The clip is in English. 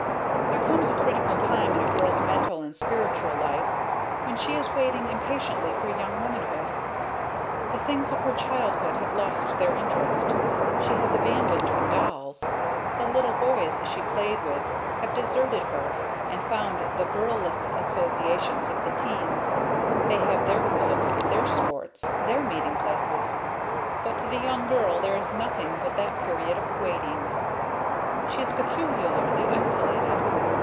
There comes a critical time in a girl's mental and spiritual life, when she is waiting impatiently for young womanhood. The things of her childhood have lost their interest. She has abandoned her dolls. The little boys she played with have deserted her, and found the girl less associations of the 'teens. They have their clubs, their sports, their meeting places. But to the young girl there is nothing but that period of waiting. She is peculiarly isolated.